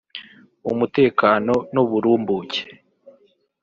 umutekano n’uburumbuke